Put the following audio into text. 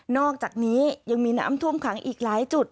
อกจากนี้ยังมีน้ำท่วมขังอีกหลายจุด